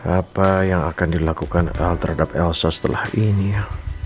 apa yang akan dilakukan al terhadap elsa setelah ini ya